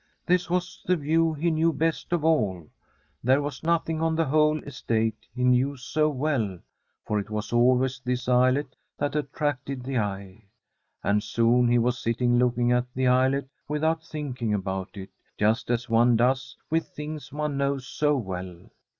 Vhh was the view he knew best of all ; there w«» nothing on the whole estate he knew so well, kMP it was always this islet that attracted the eye. Ami Hoon he was sitting looking at the islet without thinking about it, just as one does with thiu)|[» one knows so well.